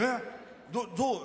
どう？